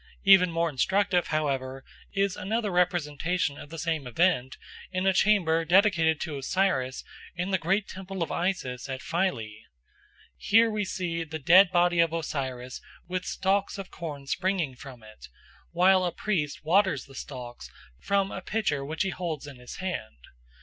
Even more instructive, however, is another representation of the same event in a chamber dedicated to Osiris in the great temple of Isis at Philae. Here we see the dead body of Osiris with stalks of corn springing from it, while a priest waters the stalks from a pitcher which he holds in his hand.